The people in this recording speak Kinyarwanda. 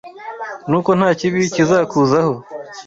Nuko nta kibi kizakuzaho